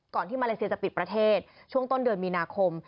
ที่มาเลเซียจะปิดประเทศช่วงต้นเดือนมีนาคม